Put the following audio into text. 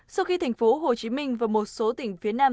sau khi thành phố hồ chí minh và một số tỉnh phía nam